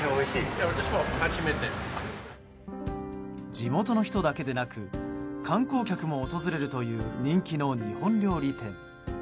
地元の人たちだけでなく観光客も訪れるという人気の日本料理店。